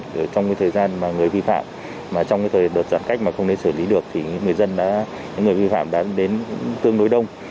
mà trong thời đợt giãn cách mà không đến xử lý được thì người vi phạm đã đến tương đối đông